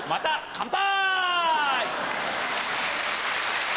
乾杯！